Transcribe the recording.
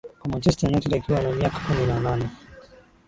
Kwa Manchester United akiwa na miaka kumi na nane